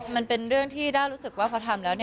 มันเป็นเรื่องที่ด้ารู้สึกว่าพอทำแล้ว